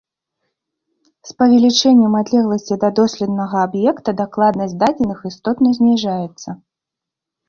З павелічэннем адлегласці да доследнага аб'екта дакладнасць дадзеных істотна зніжаецца.